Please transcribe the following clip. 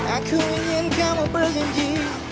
aku ingin kamu berjanji